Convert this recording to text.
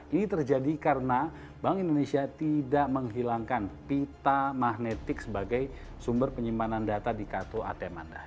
ini terjadi karena bank indonesia tidak menghilangkan pita magnetik sebagai sumber penyimpanan data di kartu atm anda